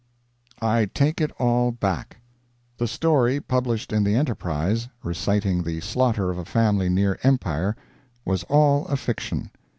] I TAKE IT ALL BACK The story published in the Enterprise reciting the slaughter of a family near Empire was all a fiction.